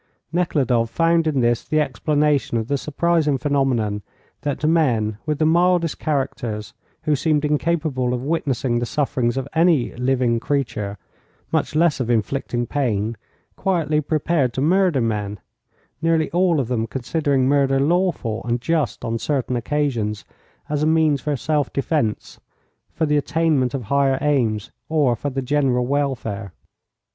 Nekhludoff found in this the explanation of the surprising phenomenon that men, with the mildest characters, who seemed incapable of witnessing the sufferings of any living creature, much less of inflicting pain, quietly prepared to murder men, nearly all of them considering murder lawful and just on certain occasions as a means for self defence, for the attainment of higher aims or for the general welfare.